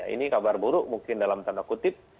ini kabar buruk mungkin dalam tanda kutip